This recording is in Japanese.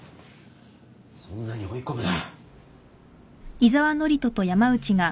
そんなに追い込むな。